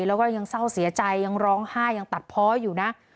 แล้วก็ยังเศร้าเสียใจยังร้องไห้ยังตัดเพาะอยู่นะ